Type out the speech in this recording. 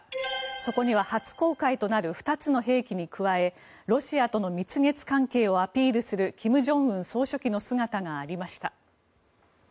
そこには初公開となる２つの兵器に加えロシアとの蜜月関係をアピールする金正恩総書記の姿がありました。